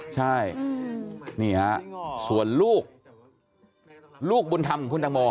ใช่นี่ฮะส่วนลูกลูกบุญธรรมของคุณตังโม